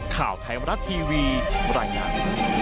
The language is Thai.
ข่าวไทยมรัฐทีวีบรรยายงาน